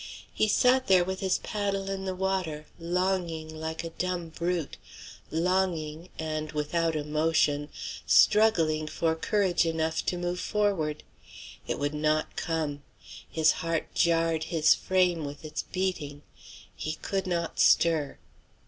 He sat there with his paddle in the water, longing like a dumb brute; longing, and, without a motion, struggling for courage enough to move forward. It would not come. His heart jarred his frame with its beating. He could not stir.